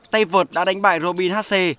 tay vượt đã đánh bại robin hasse